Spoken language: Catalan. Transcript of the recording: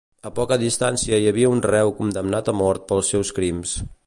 A poca distància hi havia un reu condemnat a mort pels seus crims.